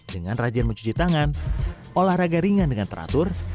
dengan rajin mencuci tangan olahraga ringan dengan teratur